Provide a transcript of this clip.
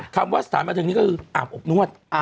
คำว่าสถานบันเทิงนี้ก็คืออาบอบนวด